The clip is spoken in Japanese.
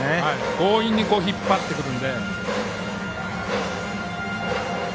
強引に引っ張ってくるので。